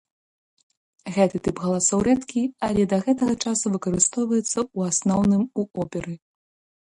Гэты тып галасоў рэдкі, але да гэтага часу выкарыстоўваецца, у асноўным, у оперы.